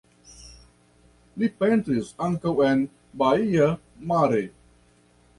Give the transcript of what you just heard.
Li pentris ankaŭ en Baia Mare.